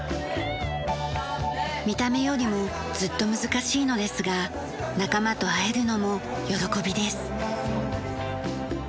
見た目よりもずっと難しいのですが仲間と会えるのも喜びです。